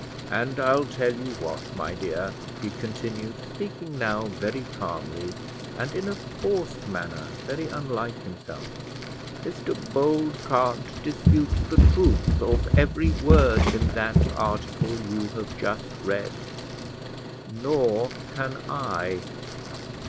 "And I'll tell you what, my dear," he continued, speaking now very calmly, and in a forced manner very unlike himself; "Mr Bold can't dispute the truth of every word in that article you have just read nor can I."